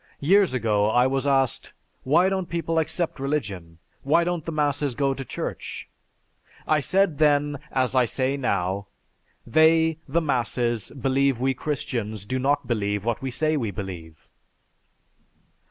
Years ago I was asked, 'Why don't people accept religion? Why don't the masses go to Church?' I said then, as I say now, 'They, the masses, believe we Christians do not believe what we say we believe."